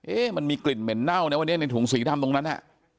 มันมีกลิ่นเหม็นเน่านะวันนี้ในถุงสีดำตรงนั้นน่ะ